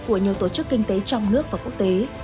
của nhiều tổ chức kinh tế trong nước và quốc tế